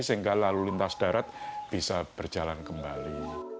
sehingga lalu lintas darat bisa berjalan kembali